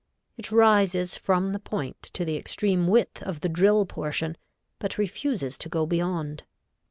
It rises from the point to the extreme width of the drill portion, but refuses to go beyond.